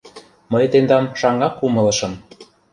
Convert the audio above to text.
Мый тендам шаҥгак умылышым...